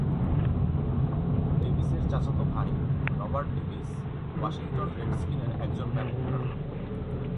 ডেভিসের চাচাত ভাই, Robert Davis, Washington রেডস্কিনের একজন ব্যাপক গ্রাহক।